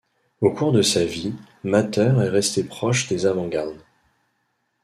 Au cours de sa vie, Matter est resté proche des avant-gardes.